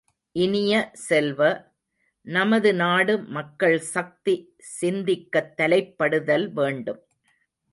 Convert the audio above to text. இனிய செல்வ, நமது நாடு மக்கள் சக்தி சிந்திக்கத் தலைப்படுதல் வேண்டும்.